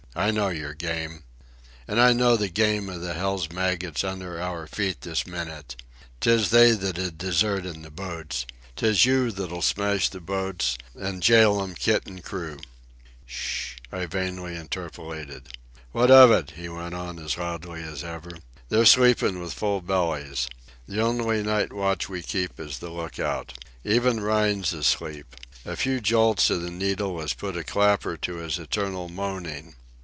I know your game. And I know the game of the hell's maggots under our feet this minute. 'Tis they that'd desert in the boats. 'Tis you that'll smash the boats an' jail 'm kit an' crew." "S s s h," I vainly interpolated. "What of it?" he went on as loudly as ever. "They're sleepin' with full bellies. The only night watch we keep is the lookout. Even Rhine's asleep. A few jolts of the needle has put a clapper to his eternal moanin'.